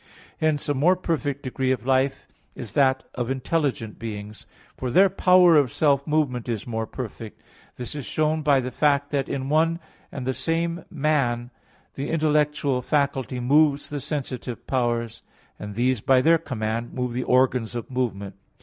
Hence a more perfect degree of life is that of intelligent beings; for their power of self movement is more perfect. This is shown by the fact that in one and the same man the intellectual faculty moves the sensitive powers; and these by their command move the organs of movement.